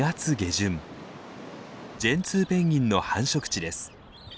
ジェンツーペンギンの繁殖地です。